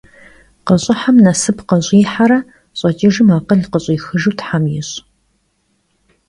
Khış'ıhem nasıp khış'ıhere, ş'eç'ıjjım akhıl khış'ixıjju them yiş'!